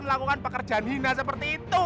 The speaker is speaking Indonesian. melakukan pekerjaan hina seperti itu